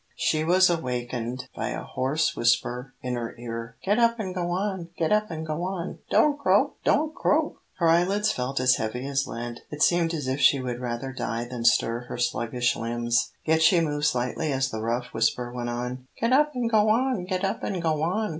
She was awakened by a hoarse whisper in her ear: "Get up and go on, get up and go on. Don't croak, don't croak!" Her eyelids felt as heavy as lead, it seemed as if she would rather die than stir her sluggish limbs, yet she moved slightly as the rough whisper went on, "Get up and go on, get up and go on.